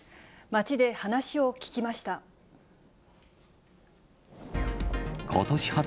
街で話を聞きました。